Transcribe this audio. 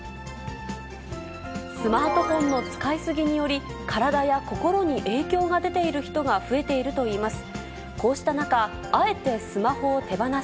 スマートフォンの使い過ぎにより、体や心に影響が出ている人が増えているといいます。